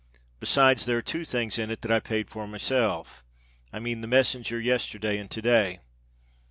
Besides, there are two things in it that I paid for myself—I mean the messenger yesterday and to day."